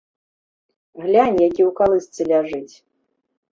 Глянь, які ў калысцы ляжыць.